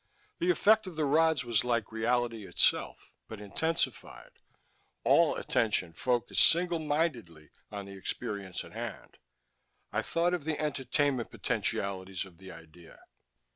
The effect of the rods was like reality itself, but intensified, all attention focused single mindedly on the experience at hand. I thought of the entertainment potentialities of the idea.